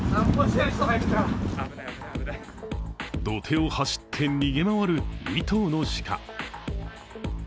土手を走って逃げ回る２頭の鹿。